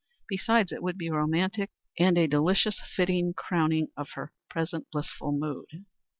Besides it would be romantic, and a delicious, fitting crowning of her present blissful mood.